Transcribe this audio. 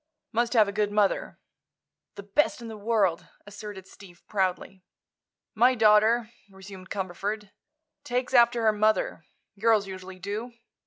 Must have a good mother." "The best in the world," asserted Steve, proudly. "My daughter," resumed Cumberford, "takes after her mother. Girls usually do.